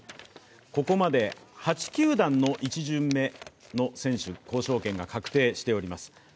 ここまで８球団の１巡目の選手、交渉権が確定しております。